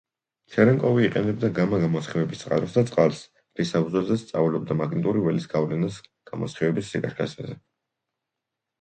ჩერენკოვი იყენებდა გამა-გამოსხივების წყაროს და წყალს, რის საფუძველზეც სწავლობდა მაგნიტური ველის გავლენას გამოსხივების სიკაშკაშეზე.